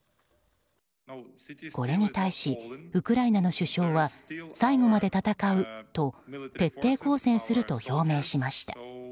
これに対し、ウクライナの首相は最後まで戦うと徹底抗戦すると表明しました。